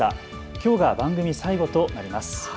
きょうが番組最後となります。